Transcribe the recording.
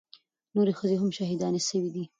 نورې ښځې هم شهيدانې سوې دي.